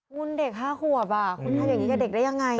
งุลเด็ก๕ขวบอ่ะคุณให้อย่างนี้กับเด็กได้ยังไง